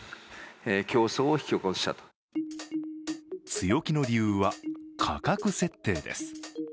強気の理由は、価格設定です。